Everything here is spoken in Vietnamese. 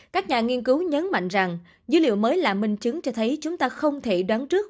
các nhà nghiên cứu nhấn mạnh rằng dữ liệu mới là minh chứng cho thấy chúng ta không thể đoán trước